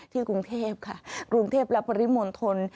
กรุงเทพค่ะกรุงเทพและปริมณฑล